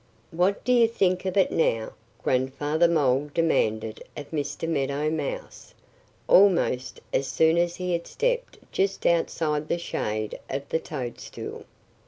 "What do you think of it now?" Grandfather Mole demanded of Mr. Meadow Mouse, almost as soon as he had stepped just outside the shade of the toadstool.